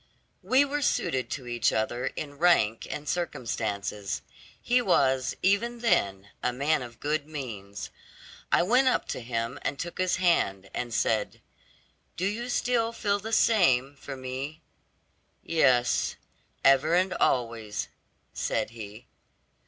We were suited to each other in rank and circumstances. He was, even then, a man of good means. I went up to him, and took his hand, and said, 'Do you still feel the same for me?' 'Yes; ever and always,' said he.